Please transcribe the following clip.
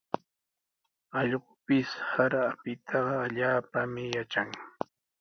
Allqupis sara apitaqa allaapami yatran.